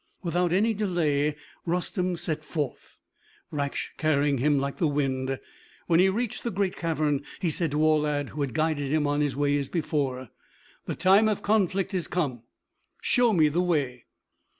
Without any delay Rustem set forth, Raksh carrying him like the wind. When he reached the great cavern, he said to Aulad, who had guided him on his way as before, "The time of conflict is come. Show me the way."